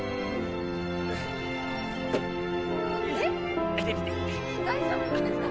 えっ大丈夫ですか？